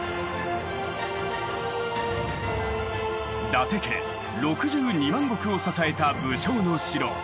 伊達家６２万石を支えた武将の城